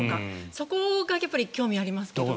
そこが興味ありますね。